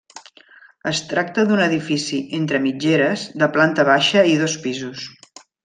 Es tracta d'un edifici, entre mitgeres, de planta baixa i dos pisos.